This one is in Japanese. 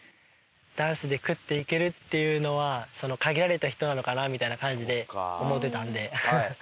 ダンスで食っていけるっていうのはその限られた人なのかなみたいな感じで思ってたんで。